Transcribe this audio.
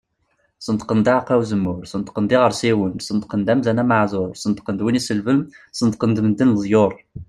Sneṭqen-d aɛeqqa uzemmur, Sneṭqen-d iɣersiwen, Sneṭqen-d amdan ameɛdur, Sneṭqen-d win iselben, Sneṭqen-d medden leḍyur.